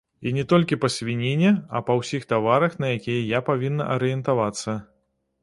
І не толькі па свініне, а па ўсіх таварах, на якія я павінна арыентавацца.